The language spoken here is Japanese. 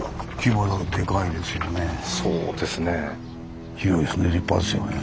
そうですね。